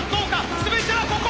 全てはここ！